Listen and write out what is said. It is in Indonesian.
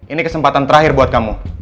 ini kesempatan terakhir buat kamu